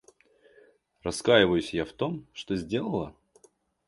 Раскаиваюсь я в том, что сделала?